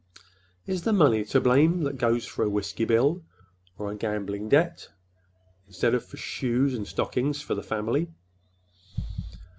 Is the money to blame that goes for a whiskey bill or a gambling debt instead of for shoes and stockings for the family?"